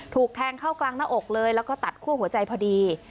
ถูกแทงเข้ากลางหน้าอกเลยแล้วก็ตัดคั่วหัวใจพอดี